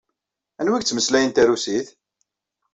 Anwa ay yettmeslayen tarusit?